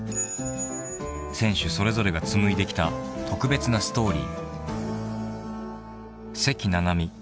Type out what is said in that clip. ［選手それぞれが紡いできた特別なストーリー］